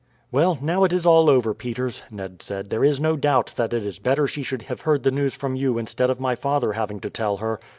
"Well, now it is all over, Peters," Ned said, "there is no doubt that it is better she should have heard the news from you instead of my father having to tell her."